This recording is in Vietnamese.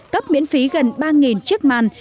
cấp miễn phí gần ba chiếc màn